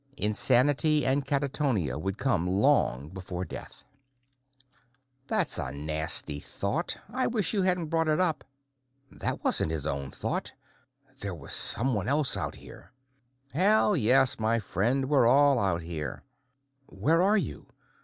Insanity and catatonia would come long before death. That's a nasty thought; I wish you hadn't brought it up. That wasn't his own thought! There was someone else out here! Hell, yes, my friend; we're all out here. "Where are you?"